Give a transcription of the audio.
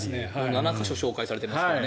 ７か所紹介されてますからね。